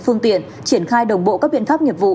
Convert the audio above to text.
phương tiện triển khai đồng bộ các biện pháp nghiệp vụ